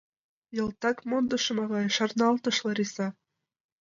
— Ялтак мондышым, авай, — шарналтыш Лариса.